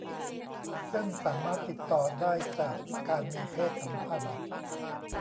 ซึ่งสามารถติดต่อได้จากการมีเพศสัมพันธ์